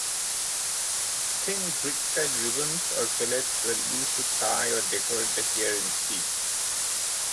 Thin Greek-style ribbons or fillets were used to tie or decorate the hair instead.